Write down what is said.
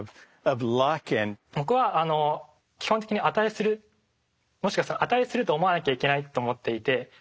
僕は基本的に値するもしくは値すると思わなきゃいけないと思っていて。